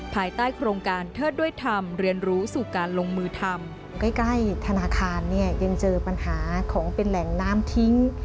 ภายใต้โครงการเทิดด้วยธรรมเรียนรู้สู่การลงมือทำใกล้ธนาคารเนี่ยยังเจอปัญหาของเป็นแหล่งน้ำทิ้ง